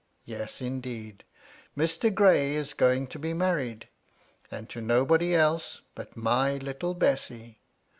Yes, indeed, ' Mr. Gray is going to be married, and to nobody else ' but my little Bessy